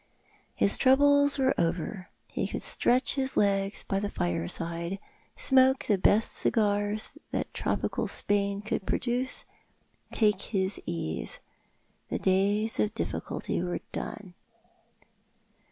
His troubles were over. He could stretch his legs by his fireside, smoke the best cigars that tropical Spain could produce, take his ease. The days of difficulty were done.